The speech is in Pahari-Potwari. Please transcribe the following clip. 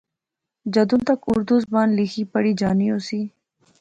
جدوں تک اُردو زبان لیخی پڑھی جانی ہوسی